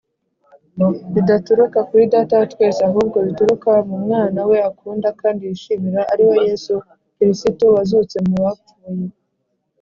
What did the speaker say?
bidaturuka kuri Data wa twese ahubwo bituruka mu mwana we akunda kandi yishimira ariwe Yesu Kirisitu wazutse mu bapfuye.